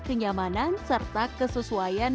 kenyamanan serta kesesuaian